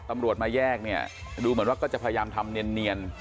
ตำรวจมาแยกเนี่ยดูเหมือนว่าก็จะพยายามทำเนียน